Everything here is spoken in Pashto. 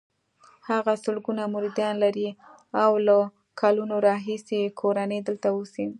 هغه سلګونه مریدان لري او له کلونو راهیسې یې کورنۍ دلته اوسي.